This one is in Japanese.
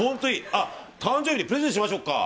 あっ誕生日にプレゼントしましょうか？